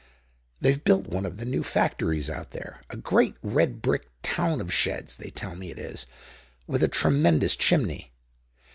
They've built one of the new factories out there, a great red brick town of sheds they tell me it is, with a tremendous chimney.